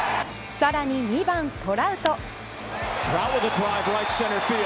さらに２番トラウト。